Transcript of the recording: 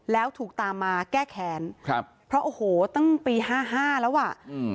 แล้วถูกตามมาแก้แค้นครับเพราะโอ้โหตั้งปีห้าห้าแล้วอ่ะอืม